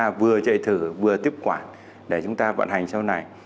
chúng ta vừa chạy thử vừa tiếp quản để chúng ta vận hành sau này